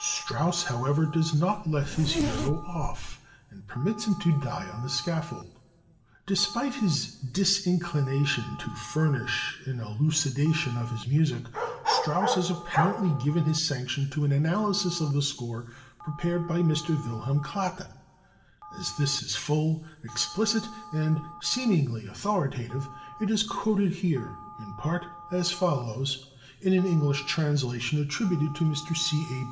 Strauss, however, does not let his hero off, and permits him to die on the scaffold. Despite his disinclination to furnish an elucidation of his music, Strauss has apparently given his sanction to an analysis of the score prepared by Mr. Wilhelm Klatte. As this is full, explicit, and seemingly authoritative, it is quoted here, in part, as follows, in an English translation attributed to Mr. C. A.